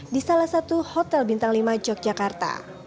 di salah satu hotel bintang lima yogyakarta